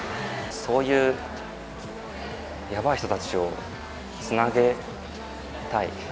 そういうやばい人たちをつなげたい。